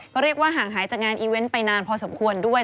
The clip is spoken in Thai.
ก็เรียกว่าห่างหายจากงานอีเวนต์ไปนานพอสมควรด้วย